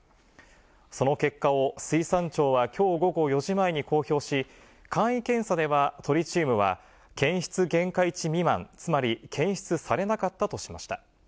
その結果を水産庁はきょう午後４時前に公表し、簡易検査ではトリチウムは検出限界値未満、つまり、検出されなかったとしました。